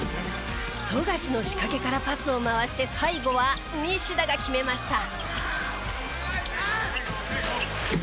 富樫の仕掛けからパスを回して最後は西田が決めました。